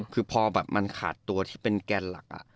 คือพอแบบมันขาดตัวที่เป็นแกนหลัก